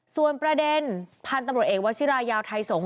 ส่วนประเด็นพันธุ์ตำรวจเอกวชิรายาวไทยสงฆ